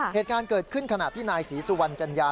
เหตุการณ์เกิดขึ้นขณะที่นายศรีสุวรรณจัญญา